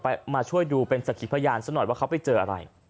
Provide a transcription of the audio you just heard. มาช่วยดูเป็นสักขีพยานซะหน่อยว่าเขาไปเจออะไร